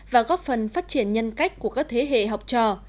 và góp phần phát triển nhân cách của các thế hệ học trò